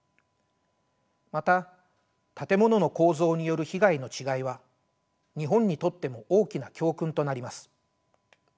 また建物の構造による被害の違いは日本にとっても大きな教訓となります。